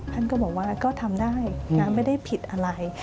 ท่านก็บอกว่าก็ทำได้ไม่ได้ผิดอะไร